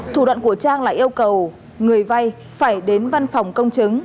thủ đoạn của trang là yêu cầu người vay phải đến văn phòng công chứng